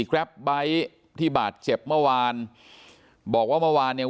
แกรปไบท์ที่บาดเจ็บเมื่อวานบอกว่าเมื่อวานเนี่ย